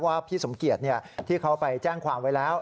พี่สมเกียจที่เขาไปแจ้งความไว้แล้ว